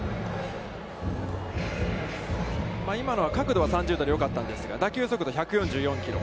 今のは角度は３０度でよかったんですが、打球の速度１４４キロ。